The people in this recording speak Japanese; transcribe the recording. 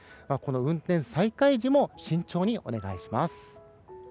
運転再開時も慎重にお願いします。